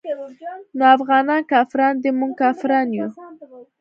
نو افغانان کافران دي موږ کافران يو.